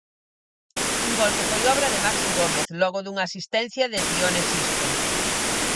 Un gol que foi obra de Maxi Gómez logo dunha asistencia de Pione Sisto.